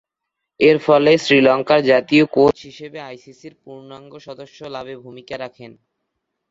এরফলে শ্রীলঙ্কার জাতীয় কোচ হিসেবে আইসিসি’র পূর্ণাঙ্গ সদস্য লাভে ভূমিকা রাখেন।